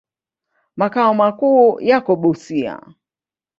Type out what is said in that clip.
Makao makuu yako Busia.